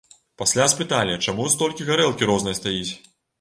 Пасля спыталі, чаму столькі гарэлкі рознай стаіць?